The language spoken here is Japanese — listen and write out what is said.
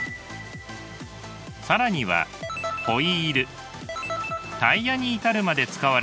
更にはホイールタイヤに至るまで使われています。